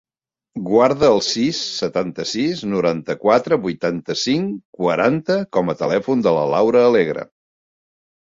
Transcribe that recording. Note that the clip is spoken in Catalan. Guarda el sis, setanta-sis, noranta-quatre, vuitanta-cinc, quaranta com a telèfon de la Laura Alegre.